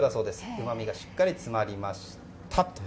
うまみがしっかり詰まりましたと。